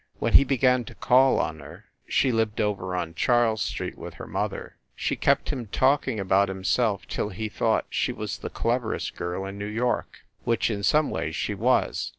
When he began to call on her she lived over on Charles Street with her mother she kept him talking about himself till he thought she was the cleverest girl in New York, which, in some ways, she was.